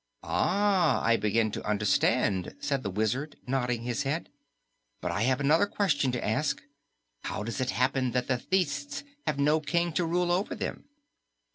"Ah, I begin to understand," said the Wizard, nodding his head. "But I have another question to ask: How does it happen that the Thists have no King to rule over them?"